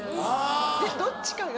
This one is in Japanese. でどっちかが。